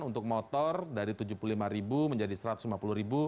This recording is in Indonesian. untuk motor dari rp tujuh puluh lima menjadi rp satu ratus lima puluh